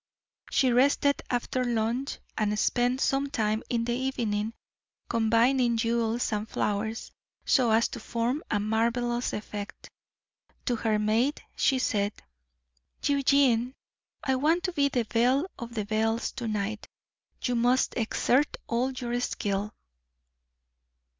She rested after lunch, and spent some time in the evening combining jewels and flowers, so as to form a marvelous effect. To her maid she said: "Eugenie, I want to be the belle of the belles to night; you must exert all your skill."